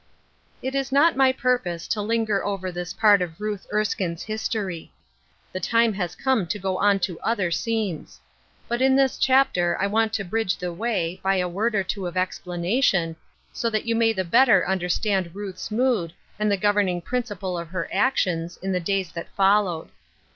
It is not my purpose to linger over this part of Ruth Erskine's history. The time has come to go on to other scenes. But in this chapter I want to bridge the way, by a word or two of explanation, so that you may the better under stand Ruth's mood, and the governing principle of her actions, in the days that followed.